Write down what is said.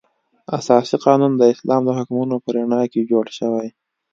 اساسي قانون د اسلام د حکمونو په رڼا کې جوړ شوی.